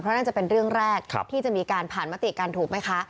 นั่นจะเป็นเรื่องแรกที่จะมีการผ่านมติกันถูกไหมคะ